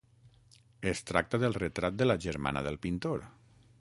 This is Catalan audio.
Es tracta del retrat de la germana del pintor.